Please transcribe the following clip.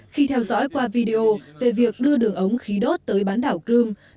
khi theo dõi qua video về việc đưa đường ống khí đốt tới bán đảo crimea